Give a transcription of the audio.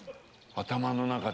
頭の中で。